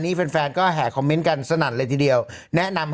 สีวิต้ากับคุณกรนิดหนึ่งดีกว่านะครับแฟนแห่เชียร์หลังเห็นภาพ